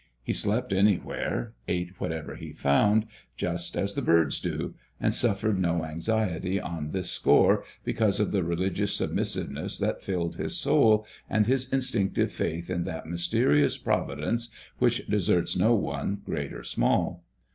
He slept anywhere, ate whatever he found, just as the birds do, and suffered no anxiety on this score, because of the religious submissiveness that filled his soul, and his instinctive faith in that mysterious Providence which deserts no one, great or small.